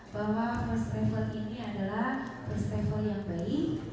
bahwa first travel ini adalah first travel yang baik